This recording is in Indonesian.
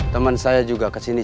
temen saya juga kesini